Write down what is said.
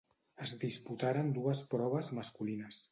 Es disputaren dues proves masculines.